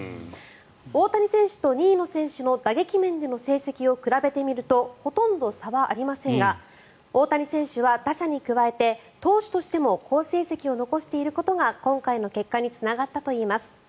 大谷選手と２位の選手の打撃面での成績を比べてみるとほとんど差はありませんが大谷選手は打者に加えて投手としても好成績を残していることが今回の結果につながったといいます。